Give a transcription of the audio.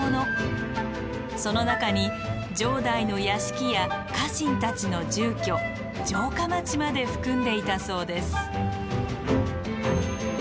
その中に城代の屋敷や家臣たちの住居城下町まで含んでいたそうです。